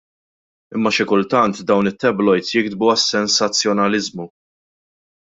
Imma xi kultant dawn it-tabloids jiktbu għas-sensazzjonaliżmu.